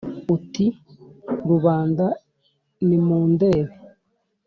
uti: rubanda nimundebe